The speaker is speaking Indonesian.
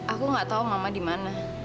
aku gak tau mama dimana